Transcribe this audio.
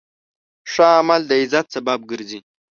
ښه عمل د عزت سبب ګرځي.